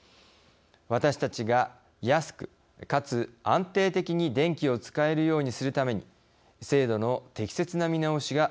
私たちが安く、かつ安定的に電気を使えるようにするために制度の適切な見直しが